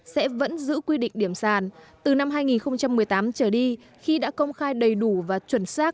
sẽ vẫn giữ quy định điểm sàn từ năm hai nghìn một mươi tám trở đi khi đã công khai đầy đủ và chuẩn xác